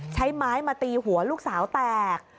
ใช้ไม้มาตีหัวลูกสาวแตก